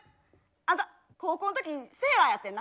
あんた高校の時セーラーやってんな。